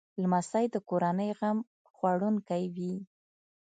لمسی د کورنۍ غم خوړونکی وي.